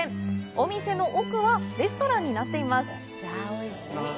お店の奥はレストランになっています。